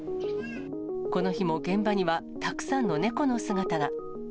この日も現場には、たくさんの猫の姿が。